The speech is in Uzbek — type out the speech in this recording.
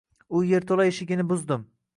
U yerto‘la eshigini buzdim.